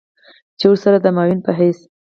چې ورسره د معاون په حېث